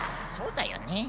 そうだよね。